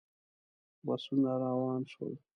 بسونه روان شول.